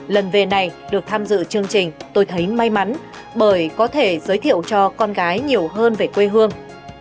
lần về này được tham dự chương trình tôi thấy may mắn bởi có thể giới thiệu cho con gái nhiều hơn về quê hương